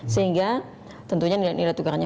sehingga tentunya nilai tukarnya